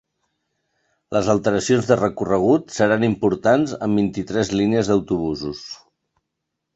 Les alteracions de recorregut seran importants en vint-i-tres línies d’autobusos.